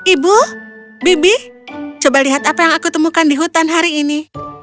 ibu bibi coba lihat apa yang aku temukan di hutan hari ini